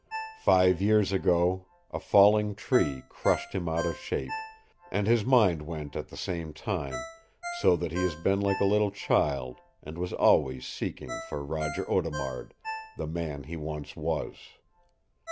Five years ago a falling tree crushed him out of shape, and his mind went at the same time, so that he has been like a little child, and was always seeking for Roger Audemard the man he once was.